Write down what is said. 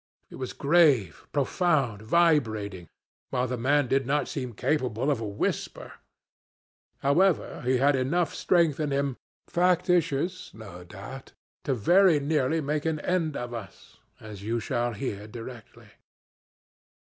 It was grave, profound, vibrating, while the man did not seem capable of a whisper. However, he had enough strength in him factitious no doubt to very nearly make an end of us, as you shall hear directly.